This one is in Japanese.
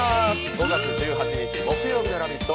５月１８日木曜日の「ラヴィット！」